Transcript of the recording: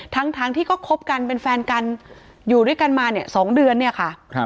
ทั้งที่ก็คบกันเป็นแฟนกันอยู่ด้วยกันมาเนี่ย๒เดือนเนี่ยค่ะ